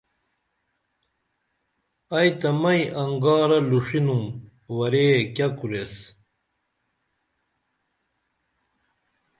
ائی تہ مئی انگارہ لُوڜِنُم ورے کیہ کُریس